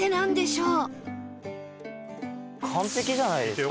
完璧じゃないですか？